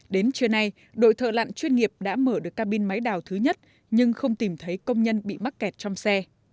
đến trưa nay đội thợ lặn chuyên nghiệp đã mở được cabin máy đào thứ nhất nhưng không tìm thấy công nhân bị mắc kẹt trong xe